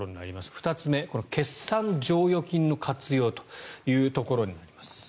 ２つ目、決算剰余金の活用というところになります。